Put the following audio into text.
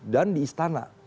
dan di istana ini